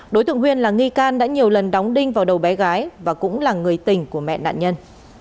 đối tượng huyên là nghi can đã nhiều lần đóng đinh vào đầu bé gái và cũng là người tình của mẹ nạn nhân